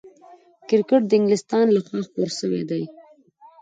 کرکټ د انګلستان له خوا خپور سوی دئ.